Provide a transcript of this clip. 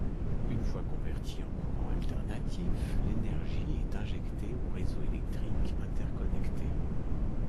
Une fois converti en courant alternatif, l'énergie est injectée au réseau électrique interconnecté.